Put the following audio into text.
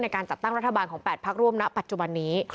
การจัดตั้งรัฐบาลของ๘พักร่วมณปัจจุบันนี้